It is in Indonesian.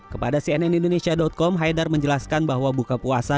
kepada cnn indonesia com haidar menjelaskan bahwa buka puasa